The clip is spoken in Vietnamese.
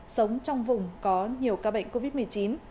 sống trong vùng có nhiều ca bệnh covid một mươi chín